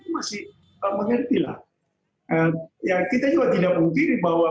masih mengertilah ya kita juga tidak mempunyai bahwa